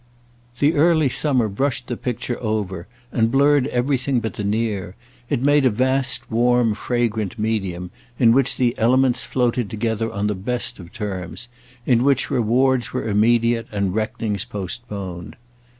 The early summer brushed the picture over and blurred everything but the near; it made a vast warm fragrant medium in which the elements floated together on the best of terms, in which rewards were immediate and reckonings postponed.